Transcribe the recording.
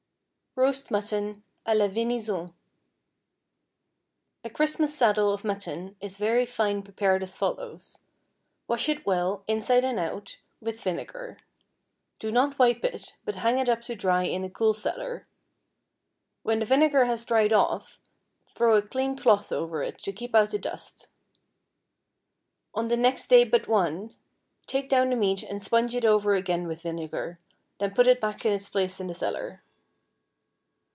ROAST MUTTON à la Venison. A Christmas saddle of mutton is very fine prepared as follows: Wash it well, inside and out, with vinegar. Do not wipe it, but hang it up to dry in a cool cellar. When the vinegar has dried off, throw a clean cloth over it, to keep out the dust. On the next day but one, take down the meat and sponge it over again with vinegar, then put it back in its place in the cellar.